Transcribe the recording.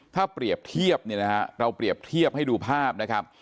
ถ้าเปรียบเทียบเนี่ยนะฮะเราเปรียบเทียบให้ดูภาพนะครับ